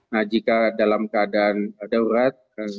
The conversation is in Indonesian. nah jika dalam keadaan darurat